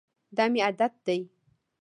دا مي عادت دی .